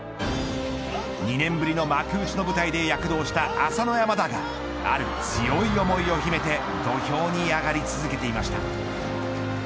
２年ぶりの幕内の舞台で躍動した朝乃山らがある強い思いを秘めて土俵に上がり続けていました。